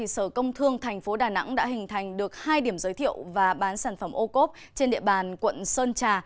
sở công thương tp đà nẵng đã hình thành được hai điểm giới thiệu và bán sản phẩm ô cốp trên địa bàn quận sơn trà